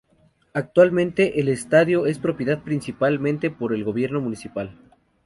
Actualmente el estadio es propiedad principalmente por el gobierno municipal.